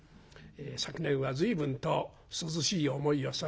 昨年は随分と涼しい思いをさしてもらいました。